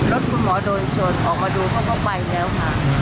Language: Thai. รถคุณหมอโดนชนออกมาดูเขาเข้าไปแล้วค่ะ